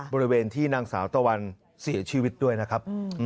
บริเวณที่นางสาวตะวันเสียชีวิตด้วยนะครับ